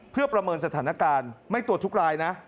เพื่อประเมินสถานการณ์ไม่ตรวจทุกรายนะ